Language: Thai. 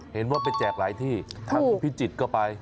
เห็นว่าไปแจกหลายที่ถ้าคุณพิจิตรก็ไป